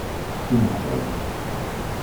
Tsumeḥ-as.